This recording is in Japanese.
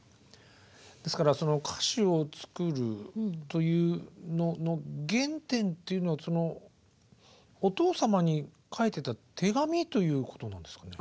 ですからその歌詞を作るというのの原点っていうのはお父様に書いてた手紙ということなんですかね？